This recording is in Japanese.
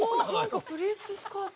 プリーツスカート？